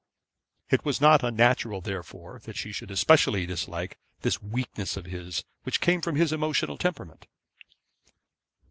It was not unnatural therefore that she should specially dislike this weakness of his which came from his emotional temperament.